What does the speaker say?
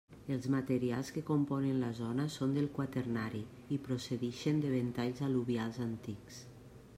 Els materials que componen la zona són del Quaternari i procedixen de ventalls al·luvials antics.